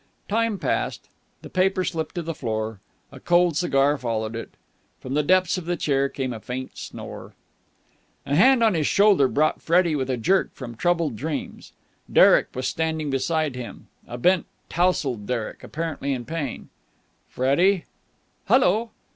Time passed. The paper slipped to the floor. A cold cigar followed it. From the depths of the chair came a faint snore.... A hand on his shoulder brought Freddie with a jerk from troubled dreams. Derek was standing beside him. A bent, tousled Derek, apparently in pain. "Freddie!" "Hullo!"